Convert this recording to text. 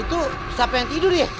itu siapa yang tidur ya